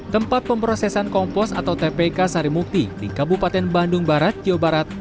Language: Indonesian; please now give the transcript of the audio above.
tempat pemprosesan kompos atau tpk sari mukti di kabupaten bandung barat jawa barat